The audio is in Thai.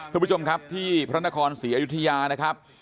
คุณผู้ชมครับที่พระนครศรีอยุธยานะครับ